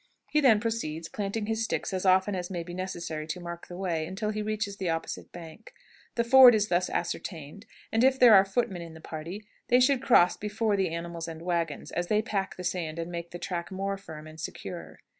He then proceeds, planting his sticks as often as may be necessary to mark the way, until he reaches the opposite bank. The ford is thus ascertained, and, if there are footmen in the party, they should cross before the animals and wagons, as they pack the sand, and make the track more firm and secure.